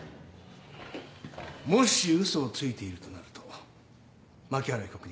もし嘘をついているとなると槇原被告人